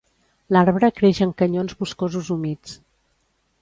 L'arbre creix en canyons boscosos humits.